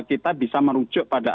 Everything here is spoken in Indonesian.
kita bisa merujuk pada